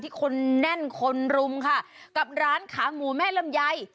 คนแน่นคนรุมค่ะกับร้านขาหมูแม่ลำไย